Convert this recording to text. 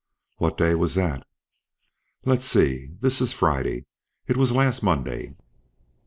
"What day was that?" "Let's see, this's Friday. It was last Monday."